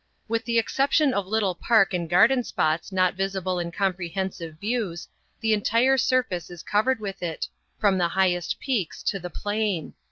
With the exception of little park and garden spots not visible in comprehensive views, the entire surface is covered with it, from the highest peaks to the plain.